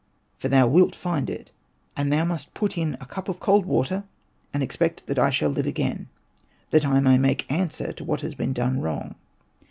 For thou wilt find it, and thou must put it in a cup of cold water, and expect that I shall live again, that I may make answer to what has been done wrong.